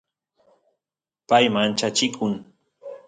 pay manchachikun